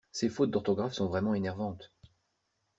Ces fautes d’orthographe sont vraiment énervantes.